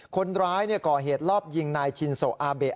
คนร้ายก่อเหตุรอบยิงนายชินโซอาเบะ